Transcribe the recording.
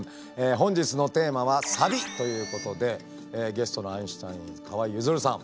本日のテーマは「サビ」ということでゲストのアインシュタイン河井ゆずるさん。